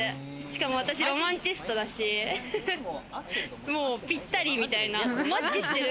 しかも私、ロマンチストだし、もう、ぴったりみたいな、マッチしてる